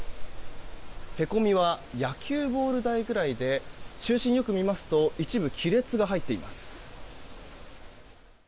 へこみは、野球ボール大くらいで中心をよく見ますと一部、亀裂が入っています。